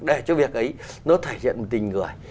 để cho việc ấy nó thể hiện tình người